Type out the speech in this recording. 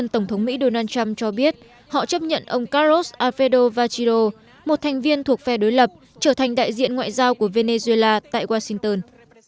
tổng thống mỹ donald trump cho biết họ chấp nhận ông carlos alfredo vachido một thành viên thuộc phe đối lập trở thành đại diện ngoại giao của venezuela tại washington